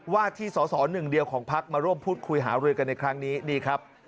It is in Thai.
ว่าที่สอสอหนึ่งเดียวของพักมาร่วมพูดคุยหารือกันในครั้งนี้นี่ครับ